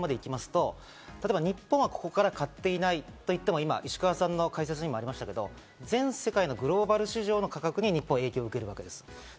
でも日本はここから買っていないと言っても、石川さんの解説にもありましたが、全世界のグローバル市場の価格に日本は影響を受けるわけです。